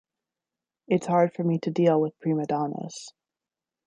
It's hard for me to deal with prima donnas.